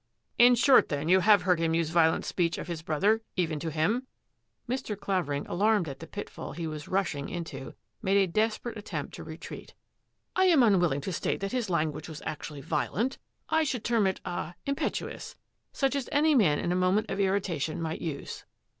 " In short then you have heard him use violent speech of his brother — even to him ?" Mr. Clavering, alarmed at the pitfall he was rushing into, made a desperate attempt to retreat. " I am unwilling to state that his language was actually violent. I should term it — ah — impet uous, such as any man in a moment of irritation might use."